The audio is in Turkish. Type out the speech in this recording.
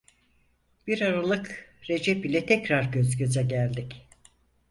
Bir aralık Recep ile tekrar göz göze geldik.